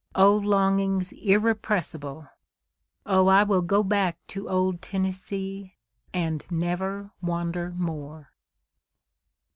O longings irrepressible! O I will go back to old Tennessee, and never wander more!